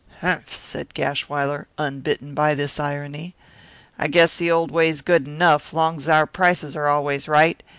"Humph!" said Gashwiler, unbitten by this irony. "I guess the old way's good enough, long's our prices are always right.